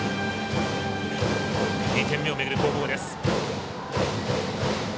２点目を巡る攻防です。